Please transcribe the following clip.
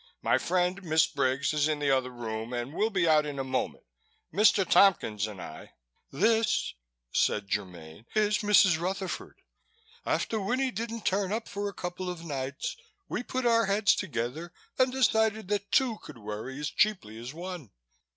"My friend, Miss Briggs, is in the other room and will be out in a moment. Mr. Tompkins and I " "This," said Germaine, "is Mrs. Rutherford. After Winnie didn't turn up for a couple of nights, we put our heads together and decided that two could worry as cheaply as one.